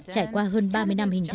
trải qua hơn ba mươi năm hình thái